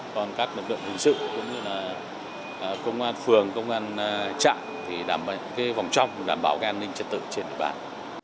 còn các lực lượng hình sự cũng như là công an phường công an trạm thì đảm bảo vòng trong đảm bảo an ninh trật tự trên địa bàn